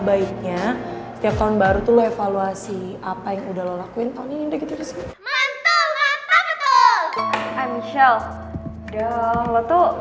baiknya setiap tahun baru tuh evaluasi apa yang udah lakuin tahun ini udah gitu gitu